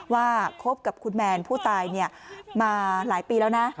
ว่าคบกับคุณแมนผู้ตายเนี่ยมาหลายปีแล้วนะ